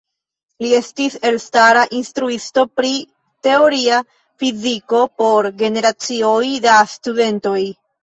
Li estis elstara instruisto pri teoria fiziko por generacioj da studantoj.